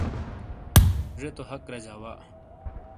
زے تو حق رجا وا